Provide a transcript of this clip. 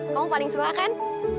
kamu paling suka kan